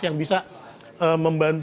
yang bisa membantu